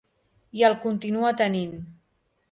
I el continua tenint.